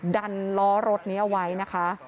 ล้อรถนี้เอาไว้นะคะ